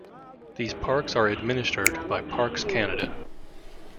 These parks are administered by Parks Canada.